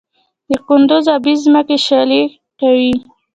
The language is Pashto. د کندز ابي ځمکې شالې کوي؟